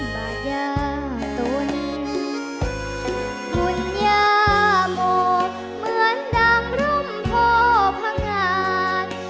บาลาตูนินหุ่นจาโมเหลือนดังลุมโดผงาน